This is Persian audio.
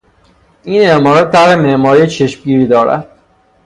این عمارت طرح معماری چشمگیری دارد.